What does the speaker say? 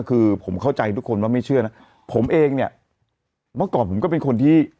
คือผมเข้าใจทุกคนว่าไม่เชื่อนะผมเองเนี่ยเมื่อก่อนผมก็เป็นคนที่